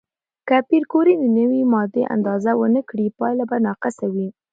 که پېیر کوري د نوې ماده اندازه ونه کړي، پایله به ناقصه وي.